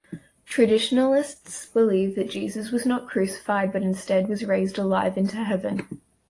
Traditionalists believe that Jesus was not crucified but instead was raised alive into heaven.